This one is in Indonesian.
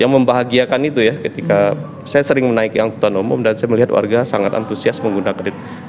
yang membahagiakan itu ya ketika saya sering menaiki angkutan umum dan saya melihat warga sangat antusias menggunakan itu